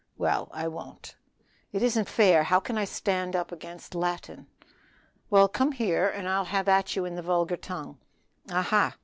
"Well, I won't." "It isn't fair; how can I stand up against Latin?" "Well, come here and I'll have at you in the vulgar tongue. Aha!